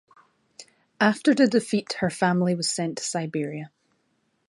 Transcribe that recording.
After the defeat her family was sent to Siberia.